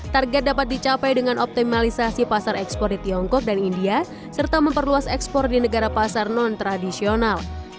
target dapat dicapai dengan optimalisasi pasar ekspor di tiongkok dan india serta memperluas ekspor di negara pasar non tradisional